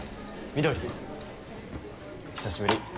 緑久しぶり。